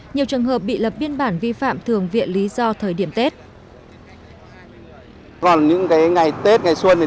nhiều trường hợp bị lập biên bản vi phạm thường viện lý do thời điểm tết